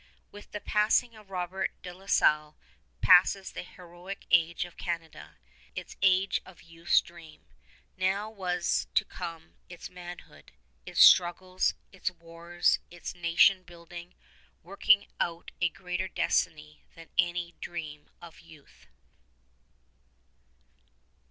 With the passing of Robert de La Salle passes the heroic age of Canada, its age of youth's dream. Now was to come its manhood, its struggles, its wars, its nation building, working out a greater destiny than any dream of youth.